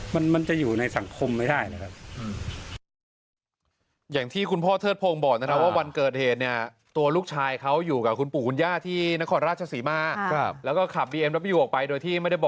มันจะอยู่ในสังคมไม่ได้